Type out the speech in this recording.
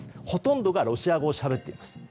ほとんどロシア語をしゃべっています。